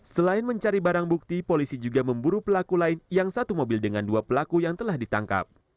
selain mencari barang bukti polisi juga memburu pelaku lain yang satu mobil dengan dua pelaku yang telah ditangkap